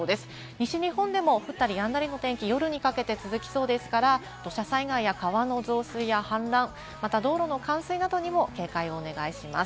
西日本でも降ったりやんだりの天気、夜にかけて続きそうですから、土砂災害や川の増水氾濫、また道路の冠水などにも警戒をお願いします。